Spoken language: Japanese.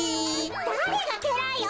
だれがけらいよ！